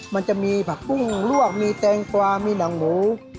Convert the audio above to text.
มันจะมีผักปุ้งลวกมีแตงกวามีหนังหมู